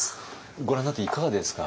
ご覧になっていかがですか？